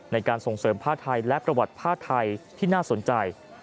ในการส่งเสริมผ้าไทยและประวัติผ้าไทยที่น่าสนใจ